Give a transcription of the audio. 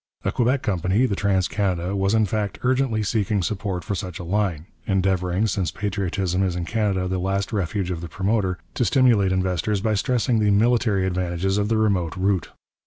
A Quebec company, the Trans Canada, was in fact urgently seeking support for such a line, endeavouring, since patriotism is in Canada the last refuge of the promoter, to stimulate investors by stressing the military advantages of the remote route.